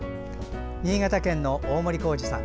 新潟県の大森幸治さん。